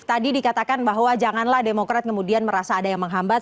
tadi dikatakan bahwa janganlah demokrat kemudian merasa ada yang menghambat